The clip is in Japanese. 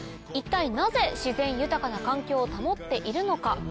一体なぜ自然豊かな環境を保っているのか？